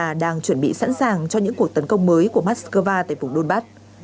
ukraine đang chuẩn bị sẵn sàng cho những cuộc tấn công mới của moscow tại vùng đôn bắc